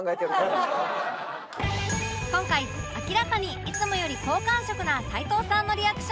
今回明らかにいつもより好感触な齊藤さんのリアクション